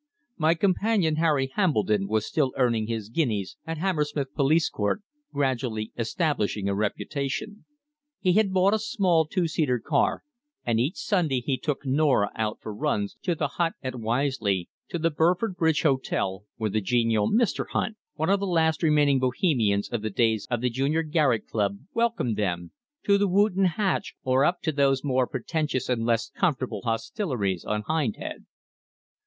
My companion Harry Hambledon was still earning his guineas at Hammersmith Police Court, gradually establishing a reputation. He had bought a small two seater car, and each Sunday he took Norah out for runs to the Hut at Wisley, to the Burford Bridge Hotel, where the genial Mr. Hunt one of the last remaining Bohemians of the days of the Junior Garrick Club welcomed them; to the Wooton Hatch, or up to those more pretentious and less comfortable hostelries on Hindhead.